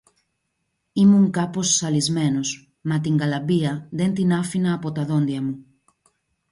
Ήμουν κάπως ζαλισμένος, μα την γκαλαμπία δεν την άφηνα από τα δόντια μου